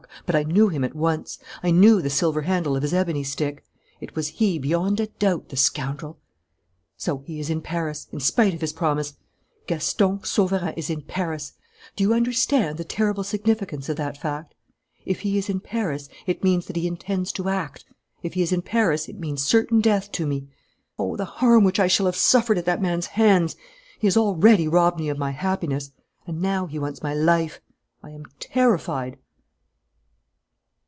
But I knew him at once. I knew the silver handle of his ebony stick. It was he beyond a doubt, the scoundrel! "So he is in Paris, in spite of his promise. Gaston Sauverand is in Paris! Do you understand the terrible significance of that fact? If he is in Paris, it means that he intends to act. If he is in Paris, it means certain death to me. Oh, the harm which I shall have suffered at that man's hands! He has already robbed me of my happiness; and now he wants my life. I am terrified."